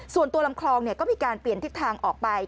ลำคลองก็มีการเปลี่ยนทิศทางออกไป